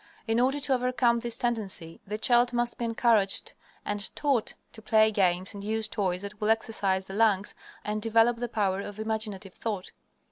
In order to overcome this tendency the child must be encouraged and taught to play games and use toys that will exercise the lungs and develop the power of imaginative thought.